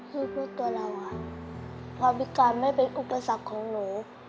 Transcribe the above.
คือพูดตัวเราค่ะความพิการไม่เป็นอุปสรรคของหนู